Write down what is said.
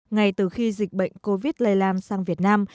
ngay từ khi dịch bệnh covid lây lan sang việt nam